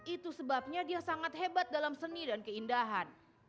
itu sebabnya dia sangat hebat dalam seni dan keindahan